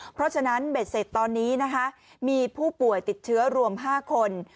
เพราะฉะนั้นเบชเศษตอนนี้มีผู้ป่วยติดเชื้อรวม๕คน